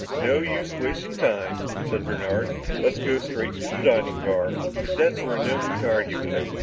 "No use wasting time," said Bernard. "Let's go right into the dining car." The cadets were in no mood to argue with him.